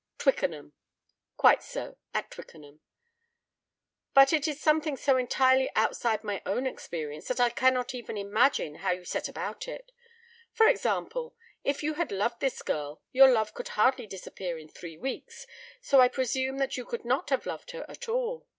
"Twickenham." "Quite so—at Twickenham. But it is something so entirely outside my own experience that I cannot even imagine how you set about it. For example, if you had loved this girl your love could hardly disappear in three weeks, so I presume that you could not have loved her at all.